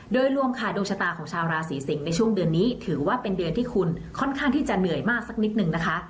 โดยรวมค่ะดวงชะตาของชาวราศีสิงศ์ในช่วงเดือนนี้ถือว่าเป็นเดือนที่คุณค่อนข้างที่จะเหนื่อยมากสักนิดนึงนะคะ